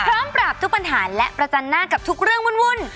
ปราบทุกปัญหาและประจันหน้ากับทุกเรื่องวุ่น